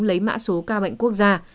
lấy mã số ca bệnh quốc gia